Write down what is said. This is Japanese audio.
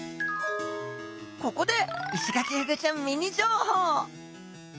ここでイシガキフグちゃんミニ情報。